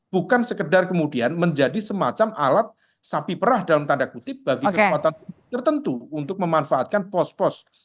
bukan sekedar kemudian menjadi semacam alat sapi perah dalam tanda kutip bagi kekuatan tertentu untuk memanfaatkan pos pos